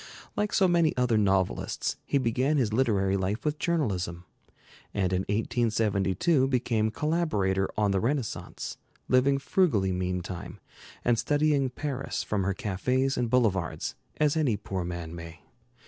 Like so many other novelists, he began his literary life with journalism; and in 1872 became collaborator on the Renaissance, living frugally meantime, and studying Paris from her cafés and boulevards as any poor man may.